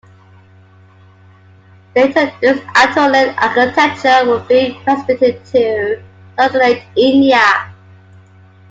Later, this Anatolian architecture would be transmitted to Sultanate India.